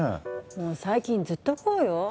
もう最近ずっとこうよ。えっ？